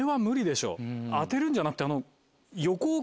当てるんじゃなくて。